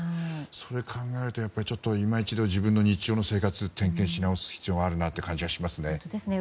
それを考えるとやっぱりちょっと今一度、自分の日常の生活を点検し直す必要があるなと思いますね。